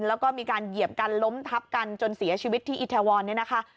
แล้วก็มีการเหยียบกันล้มทับกันจนเสียชีวิตที่อิทวรเนี่ยนะคะ